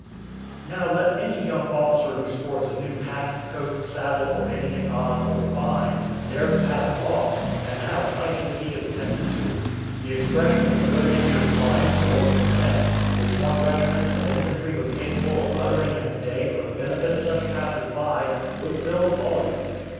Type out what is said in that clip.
Now let any young officer who sports a new hat, coat, saddle, or anything odd, or fine, dare to pass along, and how nicely he is attended to. The expressions of good natured fun, or contempt, which one regiment of infantry was capable of uttering in a day for the benefit of such passers by, would fill a volume.